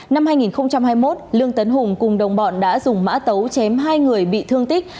năm hai nghìn hai mươi một lương tấn hùng cùng đồng bọn đã dùng mã tấu chém hai người bị thương tích